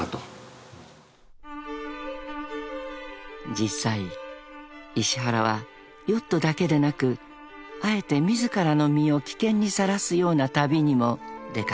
［実際石原はヨットだけでなくあえて自らの身を危険にさらすような旅にも出掛けた］